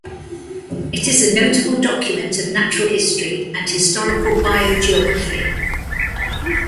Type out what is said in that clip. It is a notable document of natural history and historical biogeography.